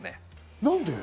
何で？